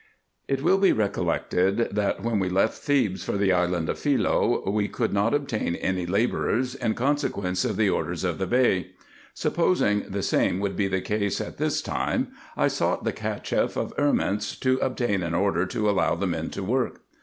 It will be recollected, that, when we left Thebes for the island of Philce, we could not obtain any labourers, in consequence of the orders of the Bey. Supposing the same would be the case at this time, I sought the Cacheff of Erments, to obtain an order to allow the men to work.